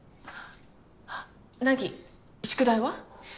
凪宿題は？